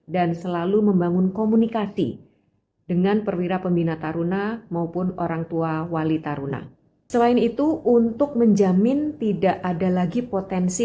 dan selalu membangun komunikasi